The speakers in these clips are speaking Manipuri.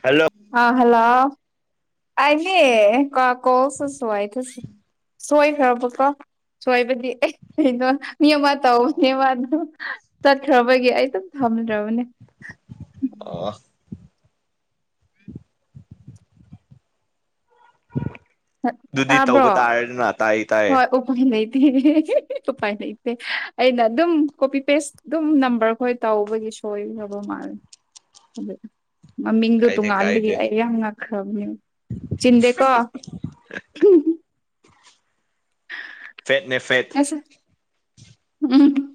ꯍꯜꯂꯣ ꯑꯥ ꯍꯜꯂꯣ [unintelligible] ꯁꯣꯏꯈ꯭ꯔꯕꯀꯣ꯫ ꯁꯣꯏꯕꯗꯤ ꯑꯦ ꯑꯩꯗꯣ ꯃꯤ ꯑꯃ ꯇꯧꯕꯅꯦꯕ ꯑꯗꯣ ꯆꯠꯈ꯭ꯔꯕꯒꯤ ꯑꯩ ꯑꯗꯨꯝ ꯊꯝꯗ꯭ꯔꯕꯅꯦ꯫ ꯑꯣ꯫ ꯗꯨꯗꯤ ꯇꯥꯕ꯭ꯔꯣ ꯇꯧꯕ ꯇꯥꯔꯦꯗꯅ꯫ ꯇꯥꯏ ꯇꯥꯏꯌꯦ ꯍꯣꯏ ꯎꯞ [unintelligible] ꯂꯩꯩꯇꯦ ꯎꯄꯥꯏ ꯂꯩꯩꯇꯦ ꯑꯩꯅ ꯑꯗꯨꯝ ꯀꯣꯄꯤ ꯄꯦꯁ ꯑꯗꯨꯝ ꯅꯝꯕꯔ ꯈꯣꯏ ꯇꯧꯕꯒꯤ ꯁꯣꯏꯈ꯭ꯔꯕ ꯃꯥꯜꯂꯦ [unintelligible] ꯃꯃꯤꯡꯗꯨ ꯀꯥꯏꯗꯦ ꯇꯣꯉꯥꯟꯕꯒꯤ ꯀꯥꯏꯗꯦ ꯑꯩ ꯌꯥꯝ ꯉꯛꯈ꯭ꯔꯕꯅꯦ꯫ ꯆꯤꯟꯗꯦ ꯀꯣ꯫ [inaudible] ꯐꯦꯠꯅꯦ ꯐꯦꯠ꯫ ꯎꯝ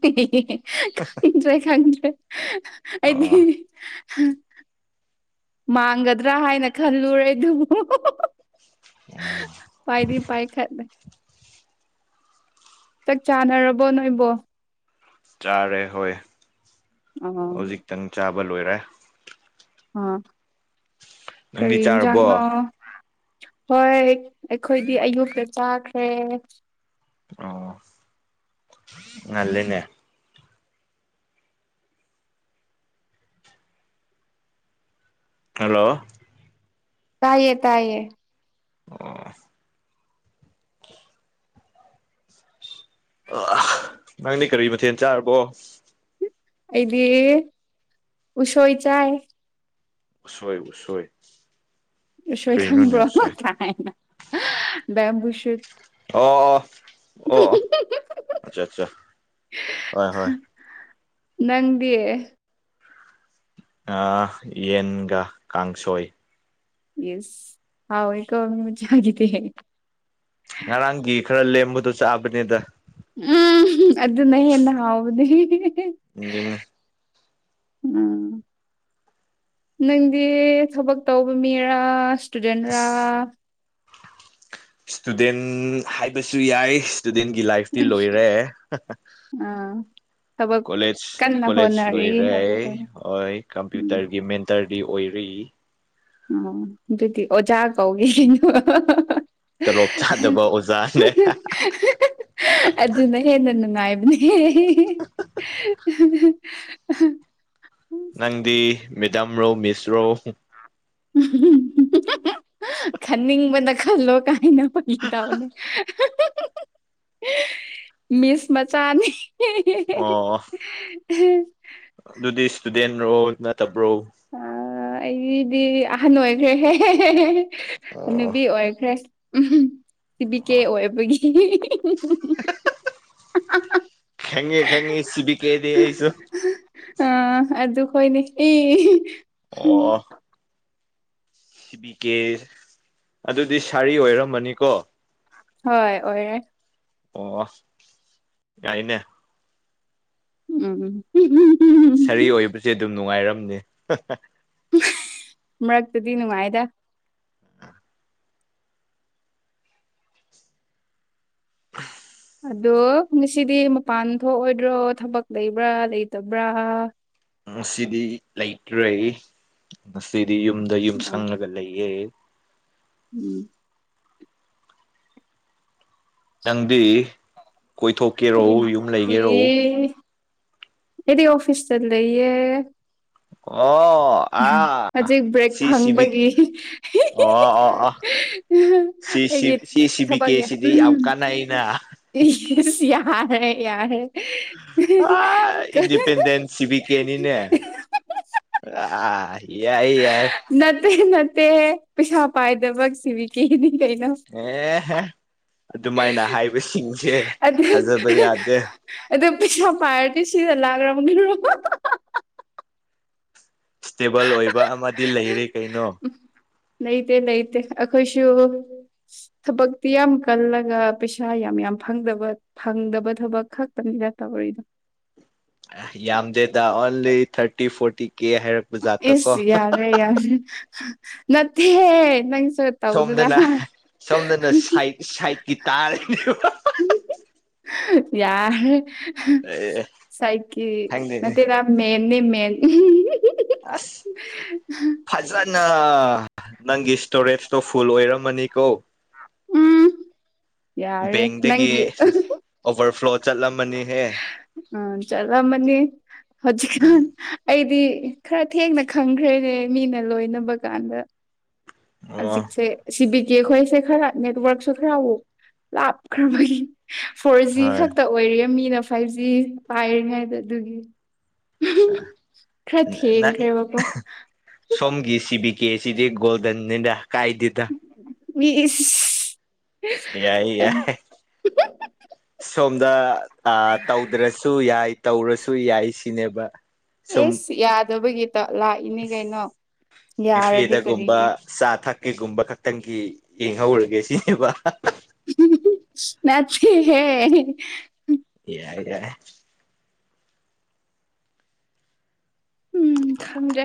ꯈꯪꯗ꯭ꯔꯦ ꯈꯪꯗ꯭ꯔꯦ꯫ ꯑꯩꯗꯤ ꯑꯣ ꯃꯥꯡꯒꯗ꯭ꯔꯥ ꯍꯥꯏꯅ ꯈꯜꯂꯨꯔꯦ ꯑꯗꯨꯕꯨ꯫ ꯄꯥꯏꯗꯤ ꯄꯥꯏꯈꯠꯂꯦ꯫ ꯆꯛ ꯆꯥꯅꯔꯕꯣ ꯅꯣꯏꯕꯣ꯫ ꯆꯥꯔꯦ ꯍꯣꯏ ꯑ ꯑꯥ ꯍꯧꯖꯤꯛꯇꯪ ꯆꯥꯕ ꯂꯣꯏꯔꯦ꯫ ꯑ ꯅꯪꯗꯤ ꯀꯔꯤ ꯆꯥꯔꯕꯣ ꯏꯟꯖꯥꯡꯅꯣ꯫ ꯍꯣꯏ ꯑꯩꯈꯣꯏꯗꯤ ꯑꯌꯨꯛꯇ ꯆꯥꯈ꯭ꯔꯦ꯫ ꯑꯣ ꯉꯜꯂꯦꯅꯦ꯫ ꯍꯜꯂꯣ꯫ ꯇꯥꯏꯌꯦ ꯇꯥꯏꯌꯦ꯫ ꯑꯣ꯫ [unintelligible] ꯅꯪꯗꯤ ꯀꯔꯤ ꯃꯊꯦꯟ ꯆꯥꯔꯕꯣ꯫ ꯑꯩꯗꯤ ꯎꯁꯣꯏ ꯆꯥꯏ꯫ ꯎꯁꯣꯏ ꯎꯁꯣꯏ꯫ ꯎꯁꯣꯏ ꯀꯔꯤꯅꯣꯅꯦ ꯈꯪꯕ꯭ꯔꯣ ꯎꯁꯣꯏ ꯀꯥꯏꯅ ꯕꯦꯝꯕꯨ ꯁꯨꯠ꯫ ꯑꯣ ꯑꯣ ꯑꯣ ꯑꯣ ꯑꯠꯆꯥ ꯆꯥ ꯍꯣꯏ ꯍꯣꯏ꯫ ꯅꯪꯗꯤ꯫ ꯑꯥꯥ ꯌꯦꯟꯒ ꯀꯥꯡꯁꯣꯏ꯫ ꯌꯦꯁ ꯍꯥꯎꯋꯤꯀꯣ ꯃꯤꯆꯥꯒꯤꯗꯤ ꯉꯔꯥꯡꯒꯤ ꯈꯔ ꯂꯦꯝꯕꯗꯣ ꯆꯥꯕꯅꯤꯗ ꯎꯝ ꯑꯗꯨ ꯅ ꯍꯦꯟꯅ ꯍꯥꯎꯕꯅꯤ ꯑꯗꯨꯅꯦ ꯎꯝ ꯅꯪꯗꯤ ꯊꯕꯛ ꯇꯧꯕ ꯃꯤꯔꯥ ꯁ꯭ꯇꯨꯗꯦꯟꯔꯥ ꯏꯁ꯭ꯇꯨꯗꯦꯟ ꯍꯥꯏꯕꯁꯨ ꯌꯥꯏ ꯏꯁ꯭ꯇꯨꯗꯦꯟꯒꯤ ꯂꯥꯏꯐꯇꯤ ꯂꯣꯏꯔꯦ ꯑꯥ ꯊꯕꯛ ꯀꯣꯂꯦꯖ ꯀꯟꯅ ꯀꯣꯂꯦꯖ ꯍꯣꯠꯅꯔꯤ ꯂꯣꯏꯔꯦ ꯍꯥꯏꯕ ꯑꯩꯈꯣꯏ ꯍꯣꯏ ꯎꯝ ꯀꯝꯄ꯭ꯌꯨꯇꯔꯒꯤ ꯃꯦꯟꯇꯔꯗꯤ ꯑꯣꯏꯔꯤ ꯑꯣ ꯑꯗꯨꯗꯤ ꯑꯣꯖꯥ ꯀꯧꯒꯦ ꯇꯣꯂꯣꯞ ꯆꯥꯗꯕ ꯑꯣꯖꯥꯅꯦ ꯑꯗꯨꯅ ꯍꯦꯟꯅ ꯅꯨꯡꯉꯥꯏꯕꯅꯦ ꯅꯪꯗꯤ ꯃꯦꯗꯥꯝ ꯔꯣ ꯃꯤꯁꯔꯣ ꯈꯟꯅꯤꯡꯕꯅ ꯈꯜꯂꯣ ꯀꯥꯏꯅ [unintelligible] ꯅꯦ ꯃꯤꯁ ꯃꯆꯥꯅꯦ ꯑꯣ [unintelligible] ꯑꯗꯨꯗꯤ ꯏꯁ꯭ꯇꯨꯗꯦꯟ ꯔꯣ ꯅꯠꯇꯕ꯭ꯔꯣ ꯑ ꯑꯩꯗꯤ ꯑꯍꯟ ꯑꯣꯏꯈ꯭ꯔꯦꯍꯦ ꯑꯣ ꯍꯅꯨꯕꯤ ꯑꯣꯏꯈ꯭ꯔꯦ ꯎꯝ ꯀꯦꯕꯤ ꯀꯦ ꯑꯣꯏꯕꯒꯤ [unintelligible] ꯍꯥ ꯍꯥ [unintelligible] ꯈꯪꯉꯦ ꯈꯪꯉꯦ ꯁꯤꯕꯤꯀꯦꯗꯦ ꯑꯩꯁꯨ ꯑꯥ ꯑꯗꯨꯈꯣꯏ ꯅꯦ ꯑꯣ ꯁꯤ ꯕꯤ ꯀꯦ ꯑꯗꯨꯗꯤ ꯁꯥꯔꯤ ꯑꯣꯏꯔꯣ ꯍꯣꯏ ꯑꯣꯏꯔꯦ ꯑꯣ ꯌꯥꯏꯅꯦ ꯎꯝ ꯎꯝ ꯁꯔꯤ ꯑꯣꯏꯕ ꯁꯦ ꯑꯗꯨꯝ ꯅꯨꯡꯉꯥꯏꯔꯝꯅꯤ ꯃꯔꯛꯇꯗꯤ ꯅꯨꯡꯉꯥꯏꯗ ꯑꯗꯣ ꯉꯁꯤꯗꯤ ꯃꯄꯥꯟ ꯊꯣꯛꯑꯣꯏꯗ꯭ꯔꯣ ꯊꯕꯛ ꯂꯩꯕ꯭ꯔꯥ ꯂꯩꯇꯕ꯭ꯔꯥ ꯉꯁꯤꯗꯤ ꯂꯩꯇ꯭ꯔꯦ ꯉꯁꯤꯗꯤ ꯌꯨꯝꯗ ꯌꯨꯝ ꯁꯪꯉꯒ ꯂꯩꯌꯦ ꯎꯝ ꯅꯪꯗꯤ ꯀꯣꯏꯊꯣꯛꯀꯦꯔꯣ ꯑꯩꯗꯤ ꯌꯨꯝ ꯂꯩꯒꯦꯔꯣ ꯑꯩꯗꯤ ꯑꯣꯐꯤꯁꯇ ꯂꯩꯌꯦ ꯑꯣ ꯑ ꯍꯧꯖꯤꯛ ꯕ꯭ꯔꯦꯛ ꯁꯤ ꯁꯤꯕꯤꯛ ꯐꯪꯕꯒꯤ ꯑꯣ ꯑꯣ ꯑ ꯑꯩꯒꯤ ꯁꯤ ꯁꯤ ꯕꯤ ꯀꯦ ꯊꯕꯛꯀꯤ ꯁꯤꯗꯤ ꯌꯥꯝ ꯀꯥꯟꯅꯩꯅ ꯏꯁ ꯌꯥꯔꯦ ꯌꯥꯔꯦ ꯑꯥ ꯏꯟꯗꯤꯄꯦꯟꯗꯦꯟꯁ ꯁꯤ ꯕꯤ ꯀꯦ ꯅꯤꯅꯦ ꯑ ꯌꯥꯏ ꯌꯥꯏ ꯅꯠꯇꯦ ꯅꯠꯇꯦꯍꯦ ꯄꯩꯁꯥ ꯄꯥꯏꯗꯕ ꯁꯤꯕꯤ ꯀꯦꯅꯤ ꯀꯩꯅꯣ ꯑꯦꯍꯦ ꯑꯗꯨꯃꯥꯏꯅ ꯍꯥꯏꯕꯁꯤꯡꯁꯦ ꯊꯥꯖꯕ ꯌꯥꯗꯦ ꯑꯗꯨꯗ ꯄꯩꯁꯥ ꯄꯥꯏꯔꯗꯤ ꯁꯤꯗ ꯂꯥꯛꯔꯕꯅꯤꯅ ꯏꯁ꯭ꯇꯦꯕꯜ ꯑꯣꯏꯕ ꯑꯃꯗꯤ ꯂꯩꯔꯦ ꯀꯩꯅꯣ ꯂꯩꯇꯦ ꯂꯩꯇꯦ ꯑꯩꯈꯣꯏꯁꯨ ꯊꯕꯛꯇꯤ ꯌꯥꯝ ꯀꯜꯂꯒ ꯄꯩꯁꯥ ꯌꯥꯝ ꯌꯥꯝ ꯐꯪꯗꯕ ꯐꯪꯗꯕ ꯊꯕꯛ ꯈꯛꯇꯅꯤꯗ ꯇꯧꯔꯤꯗꯣ ꯑꯥ ꯌꯥꯝꯗꯦꯗ ꯑꯣꯟꯂꯤ ꯊꯔꯇꯤ ꯐꯣꯔꯇꯤ ꯀꯦ ꯍꯥꯏꯔꯛ ꯏꯁ ꯌꯥꯔꯦ ꯌꯥꯔꯦ ꯅꯠꯇꯦꯍꯦ ꯅꯪ ꯁꯣꯏ ꯇꯧꯗꯨꯗꯥ ꯁꯣꯝꯗꯅ ꯁꯣꯝꯗꯅ ꯁꯥꯏꯠ ꯁꯥꯏꯠꯀꯤ ꯇꯥꯔꯅꯤꯕ ꯌꯥꯔꯦ ꯑꯦ ꯁꯥꯏꯗꯀꯤ ꯈꯪꯗꯦꯅꯦ ꯅꯠꯇꯦꯗ ꯃꯦꯟꯅꯦ ꯃꯦꯟ ꯑꯁ ꯐꯖꯅ ꯅꯪꯒꯤ ꯁꯇꯣꯔꯦꯁꯇꯣ ꯐꯨꯜ ꯑꯣꯏꯔꯝꯃꯅꯤꯀꯣ ꯎꯝ ꯌꯥꯔꯦ ꯕꯦꯡꯗꯒꯤ ꯅꯪꯒꯤ ꯑꯣꯚꯔꯐ꯭ꯂꯣ ꯆꯠꯂꯝꯃꯅꯤꯍꯦ ꯑꯥ ꯆꯠꯂꯝꯃꯅꯤ ꯍꯧꯖꯤꯛꯀꯥꯟ ꯑꯩꯗꯤ ꯈꯔ ꯊꯦꯡꯅ ꯈꯪꯈ꯭ꯔꯦꯅꯦ ꯃꯤꯅ ꯂꯣꯏꯅꯕ ꯀꯥꯟꯗ ꯑꯣ ꯍꯧꯖꯤꯛꯁꯦ ꯁꯤꯕꯤ ꯀꯦ ꯈꯣꯏꯁꯦ ꯈꯔ ꯅꯦꯠꯋꯔꯛꯁꯨ ꯈꯔ ꯂꯥꯞꯈ꯭ꯔꯕꯒꯤ ꯐꯣꯔ ꯖꯤ ꯍꯣꯏ ꯈꯛꯇ ꯑꯣꯏꯔꯤ ꯃꯤꯅ ꯐꯥꯏꯚ ꯖꯤ ꯄꯥꯏꯔꯤꯉꯩꯗ ꯑꯗꯨꯒꯤ ꯑꯠꯆꯥ ꯈꯔ ꯅꯪ ꯊꯦꯡꯈ꯭ꯔꯦꯕꯀꯣ ꯁꯣꯝꯒꯤ ꯁꯤꯕꯤ ꯀꯦꯁꯤꯗꯤ ꯒꯣꯜꯗꯟꯅꯤꯗ ꯀꯥꯏꯗꯦꯗ ꯏꯁ ꯌꯥꯏꯌꯦ ꯌꯥꯏ ꯁꯣꯝꯗ ꯑꯥ ꯇꯧꯗ꯭ꯔꯁꯨ ꯌꯥꯏ ꯇꯧꯔꯁꯨ ꯌꯥꯏ ꯁꯤꯅꯦꯕ ꯁꯨꯝ ꯏꯁ ꯌꯥꯗꯕꯒꯤꯇ ꯂꯥꯛꯏꯅꯤ ꯀꯩꯅꯣ ꯌꯥꯔꯗꯤ ꯀꯔꯤꯒꯤ ꯀꯦꯐꯦꯗꯒꯨꯝꯕ ꯆꯥ ꯊꯛꯀꯦꯒꯨꯝꯕ ꯈꯛꯇꯪꯒꯤ ꯌꯦꯡꯍꯧꯔꯒꯦ ꯁꯤꯅꯦꯕ ꯅꯠꯇꯦꯍꯦ ꯌꯥꯏꯌꯦ ꯌꯥꯏ ꯎꯝ ꯈꯪꯗ꯭ꯔꯦ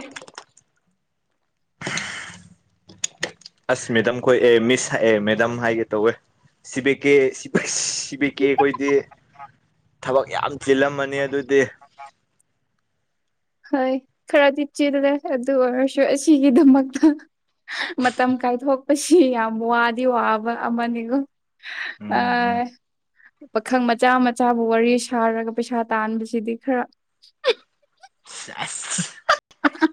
[inaudible] ꯑꯁ ꯃꯦꯗꯝꯈꯣꯏ ꯑꯦ ꯃꯤꯁ ꯍꯥꯏ ꯑꯦ ꯃꯦꯗꯥꯝ ꯍꯥꯏꯒꯦ ꯇꯧꯋꯦ ꯁꯤ ꯕꯤ ꯀꯦ ꯁꯤꯞ ꯁꯤ ꯕꯤ ꯀꯦ ꯈꯣꯏꯗꯤ ꯊꯕꯛ ꯌꯥꯝ ꯆꯤꯜꯂꯝꯃꯅꯤ ꯑꯗꯨꯗꯤ [unintelligible] ꯍꯣꯏ ꯈꯔꯗꯤ ꯆꯤꯜꯂꯦ ꯑꯗꯨ ꯑꯣꯏꯔꯁꯨ ꯑꯁꯤꯒꯤꯗꯃꯛꯇ ꯃꯇꯝ ꯀꯥꯏꯊꯣꯛꯄꯁꯤ ꯌꯥꯝ ꯋꯥꯗꯤ ꯋꯥꯕ ꯑꯃꯅꯤꯀꯣ ꯎꯝ ꯑꯥ ꯎꯝ ꯄꯥꯈꯪ ꯃꯆꯥ ꯃꯆꯥꯕꯨ ꯋꯥꯔꯤ ꯁꯥꯔꯒ ꯄꯩꯁꯥ ꯇꯥꯟꯕꯁꯤꯗꯤ ꯈꯔ ꯁꯦꯁ [unintelligible]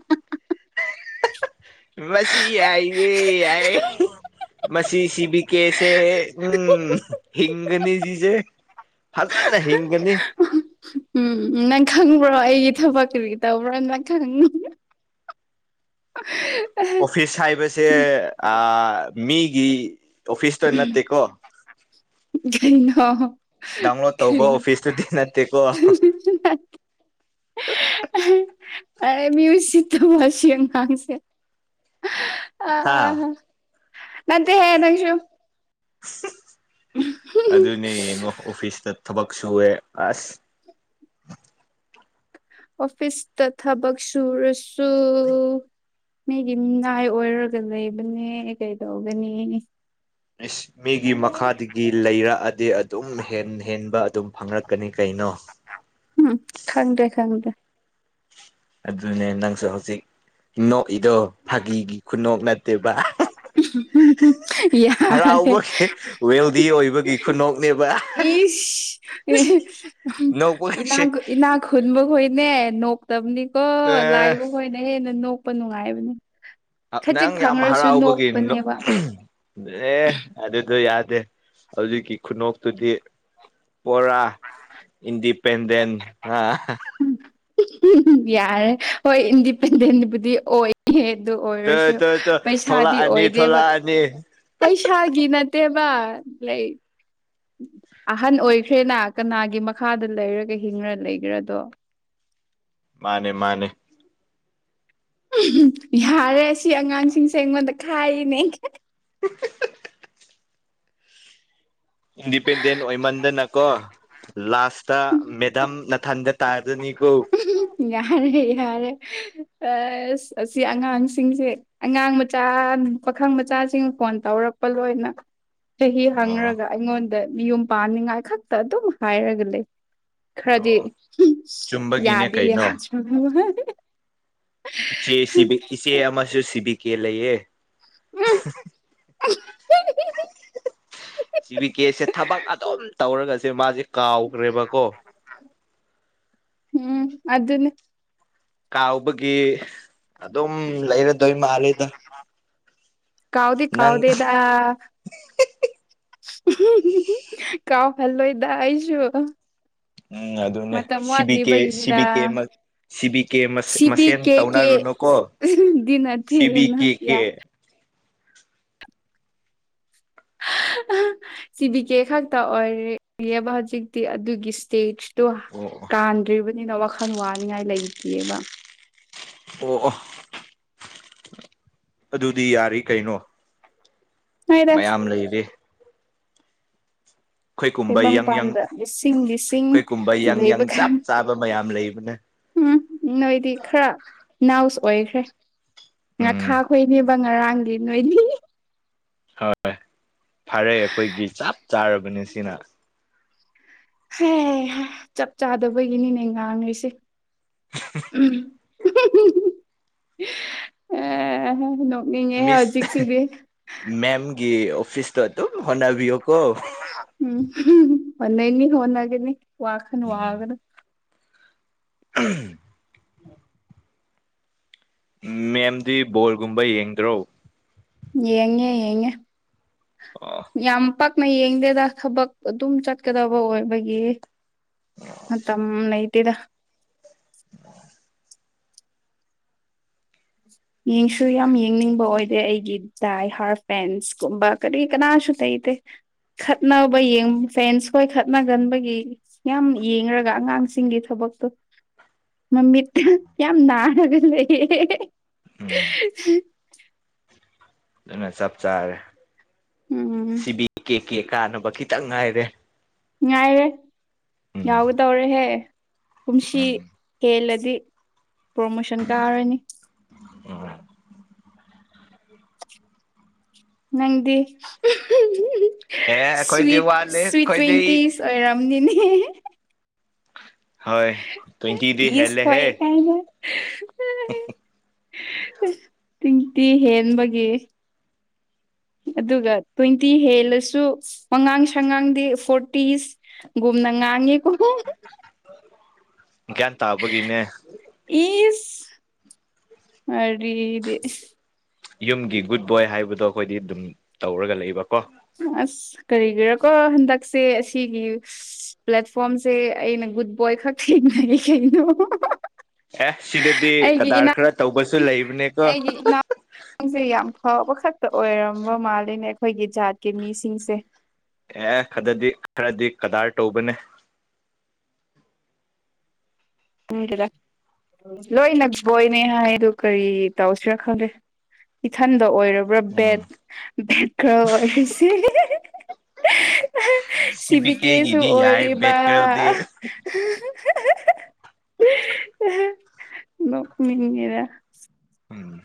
ꯃꯁꯤ ꯌꯥꯏꯅꯦ ꯌꯥꯏ ꯃꯁꯤ ꯁꯤꯕꯤ ꯀꯦꯁꯦ ꯎꯝ ꯍꯤꯡꯒꯅꯤ ꯁꯤꯁꯦ ꯐꯖꯅ ꯍꯤꯡꯒꯅꯤ ꯎꯝ ꯅꯪ ꯈꯪꯕ꯭ꯔꯣ ꯑꯩꯒꯤ ꯊꯕꯛ ꯀꯔꯤꯒꯤ ꯇꯧꯕ꯭ꯔꯣ ꯅꯪ ꯈꯪ [unintelligible] ꯐꯤꯁ ꯍꯥꯏꯕꯁꯦ ꯑꯥ ꯃꯤꯒꯤ ꯑꯣꯐꯤꯁꯇꯣ ꯅꯠꯇꯦꯀꯣ ꯀꯩꯅꯣ ꯗꯥꯎꯟꯂꯣꯗ ꯇꯧꯕ ꯀꯩ ꯑꯣꯐꯤꯁꯇꯨꯗꯤ ꯅꯠꯇꯦꯀꯣ [unintelligible] [unintelligible] ꯑꯦ ꯃꯤ ꯎꯁꯤꯠꯇꯕ ꯁꯤ ꯑꯉꯥꯡꯁꯦ ꯑꯥ ꯍꯥ ꯅꯠꯇꯦꯍꯦ ꯅꯪꯁꯨꯨ ꯑꯗꯨꯅꯦ ꯌꯦꯡꯉꯣ ꯑꯣꯐꯤꯁꯇ ꯊꯕꯛ ꯁꯨꯋꯦ ꯑꯁ ꯑꯣꯐꯤꯁꯇ ꯊꯕꯛ ꯁꯨꯔꯁꯨ ꯃꯤꯒꯤ ꯃꯤꯅꯥꯏ ꯑꯣꯏꯔꯒ ꯂꯩꯕꯅꯦ ꯀꯩꯗꯧꯒꯅꯤ ꯢꯁ ꯃꯤꯒꯤ ꯃꯈꯥꯗꯒꯤ ꯂꯩꯔꯛꯑꯗꯤ ꯑꯗꯨꯝ ꯍꯦꯟ ꯍꯦꯟꯕ ꯑꯗꯨꯝ ꯐꯪꯂꯛꯀꯅꯤ ꯀꯩꯅꯣ ꯎꯝ ꯈꯪꯗ꯭ꯔꯦ ꯈꯪꯗꯦ ꯑꯗꯨꯅꯦ ꯅꯪꯁꯨ ꯍꯧꯖꯤꯛ ꯅꯣꯛꯏꯗꯣ ꯐꯥꯒꯤꯒꯤ ꯈꯨꯅꯣꯛ ꯅꯠꯇꯦꯕ ꯌꯥꯔꯦ ꯍꯔꯥꯎꯕꯒꯤ ꯋꯦꯜꯗꯤ ꯑꯣꯏꯕꯒꯤ ꯈꯨꯅꯣꯛꯅꯦꯕ ꯏꯁ ꯑꯦꯍꯦ ꯅꯣꯛꯄꯒꯁꯦ ꯏꯅꯥꯒ ꯏꯅꯥꯛ ꯈꯨꯟꯕ ꯈꯣꯏꯅꯦ ꯅꯣꯛꯇꯕꯅꯤꯀꯣ ꯑꯦ ꯂꯥꯏꯕ ꯈꯣꯏꯅ ꯍꯦꯟꯅ ꯅꯣꯛꯄ ꯅꯨꯡꯉꯥꯏꯕꯅꯦ ꯑꯥ ꯅꯪ ꯌꯥꯝ ꯍꯔꯥꯎꯕꯒꯤ ꯅꯣ ꯑꯦ ꯑꯗꯨꯗꯣ ꯌꯥꯗꯦ ꯍꯧꯖꯤꯛꯀꯤ ꯈꯨꯅꯣꯛꯇꯨꯗꯤ ꯄꯣꯔꯥ ꯏꯟꯗꯤꯄꯦꯟꯗꯦꯟ ꯍꯥ ꯌꯥꯔꯦ ꯍꯣꯏ ꯏꯟꯗꯤꯄꯦꯟꯗꯦꯟꯕꯨꯗꯤ ꯑꯣꯏ ꯍꯦ ꯗꯨ ꯇ ꯑꯣꯏꯔꯁꯨ ꯇ ꯇ ꯄꯩꯁꯥꯗꯤ ꯊꯣꯛꯂꯛꯑꯅꯤ ꯑꯣꯏꯗꯦꯕ ꯊꯣꯛꯂꯛꯑꯅꯤ ꯄꯩꯁꯥꯒꯤ ꯅꯠꯇꯦꯕ ꯂꯩꯛ ꯑꯍꯟ ꯑꯣꯏꯈ꯭ꯔꯦꯅꯥ ꯀꯅꯥꯒꯤ ꯃꯈꯥꯗ ꯂꯩꯔꯒ ꯍꯤꯡꯔꯥ ꯂꯩꯒꯔꯗꯣ ꯃꯥꯅꯦ ꯃꯥꯅꯦ ꯌꯥꯔꯦ ꯁꯤ ꯑꯉꯥꯡꯁꯤꯡꯁꯦ ꯑꯩꯉꯣꯟꯗ ꯈꯥꯏꯔꯤꯅꯦ [unintelligible] ꯏꯟꯗꯤꯄꯦꯟꯗꯦꯟ ꯑꯣꯏꯃꯟꯗꯅꯀꯣ ꯂꯥꯁꯇ ꯃꯦꯗꯥꯝ ꯅꯥꯊꯟꯗ ꯇꯥꯗꯅꯤꯀꯣ ꯌꯥꯔꯦ ꯌꯥꯔꯦ ꯑꯁ ꯑꯁꯤ ꯑꯉꯥꯡꯁꯤꯡꯁꯦ ꯑꯉꯥꯡ ꯃꯆꯥ ꯄꯥꯈꯪ ꯃꯆꯥꯁꯤꯡ ꯐꯣꯟ ꯇꯧꯔꯛꯄ ꯂꯣꯏꯅ ꯆꯍꯤ ꯑꯣ ꯍꯪꯔꯒ ꯑꯩꯉꯣꯟꯗ ꯃꯌꯨꯝ ꯄꯥꯟꯅꯤꯡꯉꯥꯏ ꯈꯛꯇ ꯑꯗꯨꯝ ꯍꯥꯏꯔꯒ ꯂꯩ ꯑꯣ ꯈꯔꯗꯤ ꯆꯨꯝꯕꯒꯤꯅꯦ ꯌꯥꯗꯤ ꯀꯩꯅꯣ ꯌꯥꯗ꯭ꯔ [unintelligible] ꯏꯆꯦꯁꯤꯕꯤ ꯏꯆꯦ ꯑꯃꯁꯨ ꯁꯤꯕꯤꯀꯦ ꯂꯩꯌꯦ [unintelligible] ꯁꯤꯕꯤ ꯀꯦꯁꯦ ꯊꯕꯛ ꯑꯗꯨꯝ ꯇꯧꯔꯒꯁꯦ ꯃꯥꯁꯦ ꯀꯥꯎꯈ꯭ꯔꯦꯕꯀꯣ ꯎꯝ ꯑꯗꯨꯅꯦ ꯀꯥꯎꯕꯒꯤ ꯑꯗꯨꯝ ꯂꯩꯔꯗꯣꯏ ꯃꯥꯜꯂꯦꯗ ꯀꯥꯎꯗꯤ ꯅꯪ ꯀꯥꯎꯗꯦꯗ [unintelligible] ꯀꯥꯎꯍꯜꯂꯣꯏꯗ ꯑꯩꯁꯨ ꯎꯝ ꯑꯗꯨꯅꯦ ꯃꯇꯝ ꯁꯤꯕꯤ ꯀꯦ ꯋꯥꯠꯂꯤꯕꯒꯤꯅꯤꯗ ꯁꯤꯕꯤ ꯀꯦ ꯑꯃ ꯁꯤ ꯕꯤ ꯀꯦ ꯃꯁꯦ ꯁꯤꯕꯤ ꯃꯁꯦꯟ ꯀꯦ ꯀꯦ ꯇꯧꯅꯔꯨꯅꯨꯀꯣ ꯗꯤ ꯁꯤꯕꯤ ꯅꯠꯇꯦꯗꯅ ꯀꯦ ꯌꯥ ꯀꯦ ꯁꯤ ꯕꯤ ꯀꯦ ꯈꯛꯇ ꯑꯣꯏꯔꯤꯌꯦꯕ ꯍꯧꯖꯤꯛꯇꯤ ꯑꯗꯨꯒꯤ ꯏꯁ꯭ꯇꯦꯖ ꯇꯨ ꯑꯣ ꯀꯥꯟꯗ꯭ꯔꯤꯕꯅꯤꯅ ꯋꯥꯈꯜ ꯋꯥꯅꯤꯡꯉꯥꯏ ꯂꯩꯇꯦꯕ ꯑꯣ ꯑꯣ ꯑꯗꯨꯗꯤ ꯌꯥꯔꯤ ꯀꯩꯅꯣ ꯅꯣꯏꯗ ꯃꯌꯥꯝ ꯂꯩꯔꯦ ꯈꯣꯏ ꯀꯨꯝꯕ ꯌꯪ ꯌꯪ ꯇꯥꯏꯕꯪꯄꯥꯟꯗ ꯂꯤꯁꯤꯡ ꯂꯤꯁꯤꯡ ꯈꯣꯏ ꯀꯨꯝꯕ ꯌꯪ ꯌꯪ ꯂꯩꯕ ꯆꯞ ꯀꯥꯟ ꯆꯥꯕ ꯃꯌꯥꯝ ꯂꯩꯕꯅꯦ ꯎꯝ ꯅꯣꯏꯗꯤ ꯈꯔ ꯅꯥꯎꯁ ꯑꯣꯏꯈ꯭ꯔꯦ ꯎꯝ ꯉꯥꯈꯥ ꯈꯣꯏꯅꯦ ꯉꯔꯥꯡꯒꯤ ꯅꯣꯢꯗꯤ ꯍꯣꯏ ꯐꯔꯦ ꯑꯈꯣꯏꯒꯤ ꯆꯞ ꯆꯥꯔꯕꯅꯤ ꯁꯤꯅ ꯍꯩ ꯍꯥ ꯆꯞ ꯆꯥꯗꯕꯒꯤꯅꯤꯅꯦ ꯉꯥꯡꯂꯤꯁꯤ [unintelligible] ꯑ ꯅꯣꯛ ꯃꯤꯁ ꯃꯦꯝꯒꯤ ꯑꯣꯐꯤꯁꯇꯣ ꯑꯗꯨꯝ ꯍꯣꯠꯅꯕꯤꯌꯣꯀꯣ ꯎꯝ ꯍꫭꯠꯅꯩꯅꯤ ꯍꯣꯅꯒꯅꯤ ꯋꯥꯈꯟ ꯋꯥꯒꯅꯨ ꯎꯝ ꯃꯦꯝꯗꯤ ꯕꯣꯜꯒꯨꯝꯕ ꯌꯦꯡꯗ꯭ꯔꯣ ꯌꯦꯡꯉꯦ ꯌꯦꯡꯉꯦ ꯑꯣ ꯌꯥꯝ ꯄꯛꯅ ꯌꯦꯡꯗꯦꯗ ꯊꯕꯛ ꯑꯗꯨꯝ ꯆꯠꯀꯗꯕ ꯑꯣꯏꯕꯒꯤ ꯃꯇꯝ ꯂꯩꯇꯦꯗ ꯌꯦꯡꯁꯨ ꯌꯥꯝ ꯌꯦꯡꯅꯤꯡꯕ ꯑꯣꯏꯗꯦ ꯑꯩꯒꯤ ꯗꯥꯏ ꯍꯥꯔ ꯐꯦꯟꯁ ꯀꯨꯝꯕ ꯀꯔꯤ ꯀꯅꯥꯁꯨ ꯇꯩꯇꯦ ꯈꯠꯅꯕ ꯌꯦꯡ ꯐꯦꯟꯁ ꯈꯣꯏ ꯈꯠꯅꯒꯟꯕꯒꯤ ꯌꯥꯝ ꯌꯦꯡꯔꯒ ꯑꯉꯥꯡꯁꯤꯡꯒꯤ ꯊꯕꯛꯇꯣ ꯃꯃꯤꯠ ꯍꯥ ꯌꯥꯝ ꯅꯥꯔꯒ ꯂꯩꯌꯦ ꯎꯝ [unintelligible] ꯑꯗꯨꯅ ꯆꯞ ꯆꯥꯔꯦ ꯎꯝ ꯁꯤꯕꯤ ꯀꯦ ꯀꯦ ꯀꯥꯅꯕ ꯈꯤꯇꯪ ꯉꯥꯏꯔꯦ ꯉꯥꯏꯔꯦ ꯎꯝ ꯉꯥꯎꯒꯗꯧꯔꯦꯍꯦ ꯀꯨꯝꯁꯤ ꯎꯝ ꯀꯦ ꯍꯦꯜꯂꯗꯤ ꯄ꯭ꯔꯣꯃꯣꯁꯟ ꯀꯥꯔꯅꯤ ꯎꯝ ꯅꯪꯗꯤ ꯑꯦ ꯑꯩꯈꯣꯏꯗꯤ ꯁ꯭ꯋꯤꯠ ꯋꯥꯠꯂꯦ ꯁ꯭ꯋꯤꯠ ꯑꯩꯈꯣꯏꯗꯤ ꯇ꯭ꯋꯣꯟꯇꯤꯁ ꯑꯣꯏꯔꯝꯅꯤꯅꯦ ꯍꯣꯏ ꯇ꯭ꯋꯦꯟꯇꯤꯗꯤ ꯏꯁ ꯍꯦꯜꯂꯦꯍꯦ ꯍꯣꯢ ꯀꯥꯏꯅ ꯇꯣꯢꯟꯇꯤ ꯍꯦꯟꯕꯒꯤ ꯑꯗꯨꯒ ꯇ꯭ꯋꯣꯟꯇꯤ ꯍꯦꯜꯂꯁꯨ ꯋꯉꯥꯡ ꯁꯉꯥꯡꯗꯤ ꯐꯣꯔꯇꯤꯁ ꯒꯨꯨꯝꯅ ꯉꯥꯡꯉꯤꯀꯣ ꯒ꯭ꯌꯥꯟ ꯇꯥꯕꯒꯤꯅꯦ ꯏꯁ ꯃꯔꯤꯗꯤ ꯌꯨꯝꯒꯤ ꯒꯨꯗ ꯕꯣꯏ ꯍꯥꯏꯕꯗꯣ ꯑꯈꯣꯏꯗꯤ ꯑꯗꯨꯝ ꯇꯧꯔꯒ ꯂꯩꯕ ꯀꯣ ꯑꯁ ꯀꯔꯤꯒꯤꯔꯀꯣ ꯍꯟꯗꯛꯁꯦ ꯑꯁꯤꯒꯤ ꯄ꯭ꯂꯦꯠꯐꯣꯔ꯭ꯝꯁꯦ ꯑꯩꯅ ꯒꯨꯗ ꯕꯣꯏ ꯈꯛ ꯊꯦꯡꯅꯩ ꯀꯩꯅꯣ ꯑꯦ ꯁꯤꯗꯗꯤ ꯑꯩꯒꯤ ꯀꯗꯥꯔ ꯈꯔ ꯇꯧꯕꯁꯨ ꯂꯩꯕꯅꯦꯀꯣ ꯅꯪꯁꯦ ꯌꯥꯝ ꯐꯕ ꯈꯛꯇ ꯑꯣꯏꯔꯝꯕ ꯃꯥꯜꯂꯦꯅꯦ ꯑꯩꯈꯣꯏꯒꯤ ꯖꯥꯠꯀꯤ ꯃꯤꯁꯤꯡꯁꯦ ꯑꯦ ꯈꯗꯗꯤ ꯈꯔꯗꯤ ꯀꯗꯥꯔ ꯇꯧꯕꯅꯦ ꯈꯪꯗꯦꯗ ꯂꯣꯏꯅ ꯕꫭꯏꯅꯦ ꯍꯥꯏꯗꯨ ꯀꯔꯤ ꯇꯧꯁꯤꯔꯥ ꯈꯪꯗꯔꯦ ꯏꯊꯟꯗ ꯑꯣꯏꯔꯕ꯭ꯔꯥ ꯎꯝ ꯕꯦꯠ ꯕꯦꯠ ꯒ꯭ꯔꯜ ꯑꯣꯏꯔꯤꯁꯦ [unintelligible] ꯁꯤ ꯕꯤ ꯁꯤꯕꯤꯀꯦꯁꯨ ꯀꯦꯒꯤꯗꯤ ꯌꯥꯏ ꯑꯣꯏꯔꯤꯕ ꯕꯦꯠ ꯀꯔꯜꯗꯤ [unintelligible] ꯅꯣꯛꯅꯤꯡꯉꯦꯗ ꯎꯝ